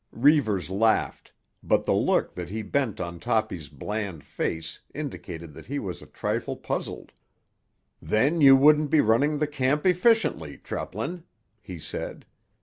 Reivers laughed, but the look that he bent on Toppy's bland face indicated that he was a trifle puzzled. "Then you wouldn't be running the camp efficiently, Treplin," he said.